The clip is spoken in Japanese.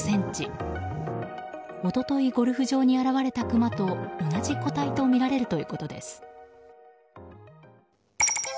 一昨日、ゴルフ場に現れたクマと同じ個体とみられるということです。